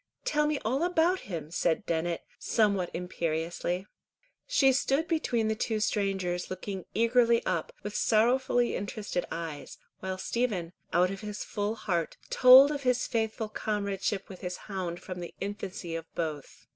Tell me all about him," said Dennet, somewhat imperiously. She stood between the two strangers looking eagerly up with sorrowfully interested eyes, while Stephen, out of his full heart, told of his faithful comradeship with his hound from the infancy of both.